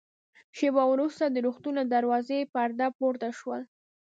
شېبه وروسته د روغتون له دروازې پرده پورته شول.